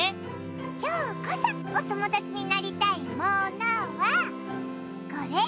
きょうこそおともだちになりたいモノはこれ。